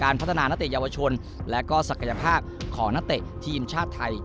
ยังดินที่เหมาะในชุดไทย